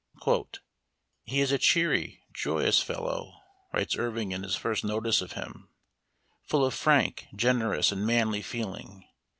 " He is a cheery, joyous fellow," writes Irving in his first notice of him, "full of frank, generous, and manly feeling.